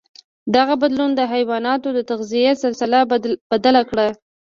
دغه بدلون د حیواناتو د تغذيې سلسله بدل کړه.